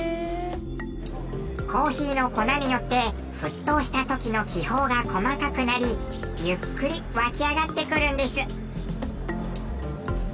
コーヒーの粉によって沸騰したときの気泡が細かくなりゆっくり湧き上がってくるんです。